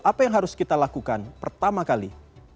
apa yang harus kita lakukan pertama kali